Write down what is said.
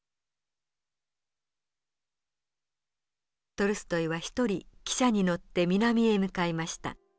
トルストイは１人汽車に乗って南へ向かいました。